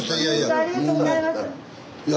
ほんとありがとうございます。